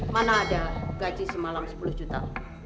mana ada gaji semalam sepuluh juta